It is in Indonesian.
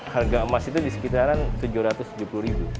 harga emas itu di sekitaran rp tujuh ratus tujuh puluh ribu